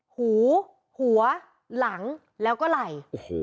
หูหัวหลังแล้วก็ไหล่